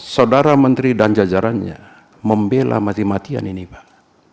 saudara menteri dan jajarannya membela mati matian ini pak